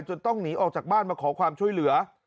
ต้องหนีออกจากบ้านมาขอความช่วยเหลือ